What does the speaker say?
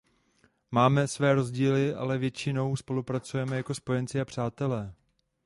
Máme své rozdíly, ale většinou spolupracujeme jako spojenci a přátelé.